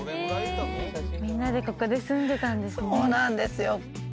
みんなでここで住んでたんですねそうなんですよ